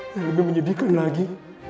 yang lebih menyedihkan lagi